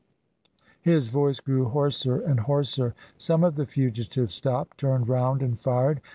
His voice grew hoarser and hoarser. Some of the fugitives stopped, turned round, and fired.